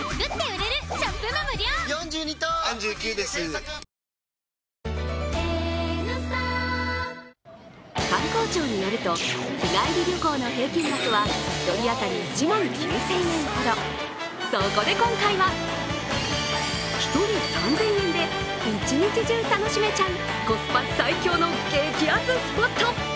サントリー「金麦」観光庁によると、日帰り旅行の平均額は一人当たり１万９０００円ほど、そこで今回は一人３０００円で一日中楽しめちゃうコスパ最強の激アツスポット。